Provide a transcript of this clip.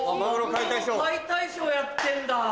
解体ショーやってんだ！